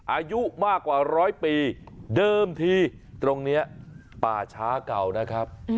อายุมากกว่าร้อยปีเดิมทีตรงนี้ป่าช้าเก่านะครับ